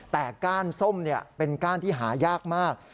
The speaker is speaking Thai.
แต่ก้านส้มเป็นก้านที่หายากมาก